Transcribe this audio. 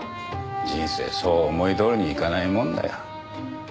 人生そう思いどおりにいかないもんだよ。